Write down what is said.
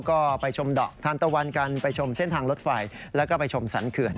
ก็ไปชมดอกทานตะวันกันไปชมเส้นทางรถไฟแล้วก็ไปชมสรรเขื่อน